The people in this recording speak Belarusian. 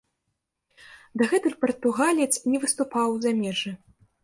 Дагэтуль партугалец не выступаў у замежжы.